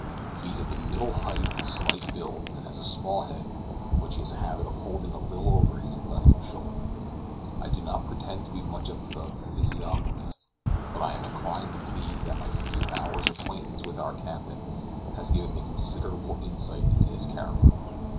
He is of the middle height and slight build, and has a small head, which he has a habit of holding a little over his left shoulder. I do not pretend to be much of a physiognomist, but I am inclined to believe that my few hours' acquaintance with our captain has given me considerable insight into his character.